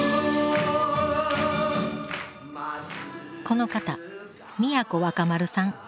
この方都若丸さん。